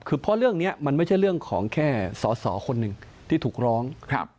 เพราะว่าเรื่องเนี่ยมันไม่ใช่เรื่องของสอคนหนึ่งที่ถูกร้องครับ